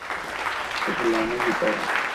تو پہلوانوں کی طرح۔